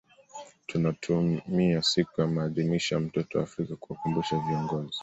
Tunatumia siku ya maadhimisho ya mtoto wa Afrika kuwakumbusha viongozi